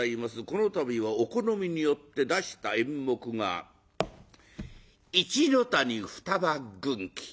この度はお好みによって出した演目が「一谷嫩軍記」。